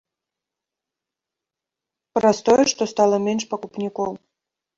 Праз тое, што стала менш пакупнікоў.